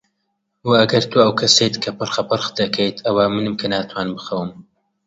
و ئەگەر تۆ ئەو کەسەیت کە پرخەپرخ دەکەیت، ئەوە منم کە ناتوانم بخەوم.